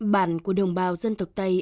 bản của đồng bào dân tộc tày